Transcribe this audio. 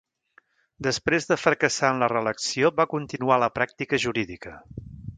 Després de fracassar en la reelecció, va continuar la pràctica jurídica.